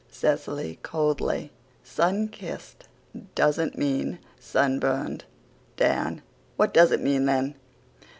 (CECILY, COLDLY: "Sun kissed doesn't mean sunburned." DAN: "What does it mean then?"